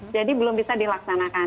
jadi belum bisa dilaksanakan